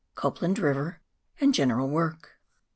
COPLAND RIVER AND GENERAL WORK.